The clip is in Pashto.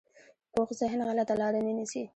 پوخ ذهن غلطه لاره نه نیسي